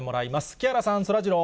木原さん、そらジロー。